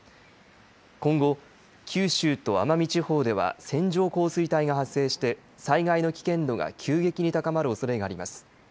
今後、九州と奄美地方では線状降水帯が発生して災害の危険度が急激に高まるおそれがあります。